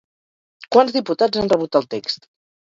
Quants diputats han rebut el text?